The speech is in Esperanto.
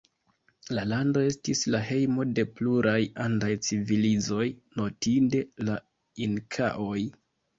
La lando estis la hejmo de pluraj andaj civilizoj, notinde la inkaoj.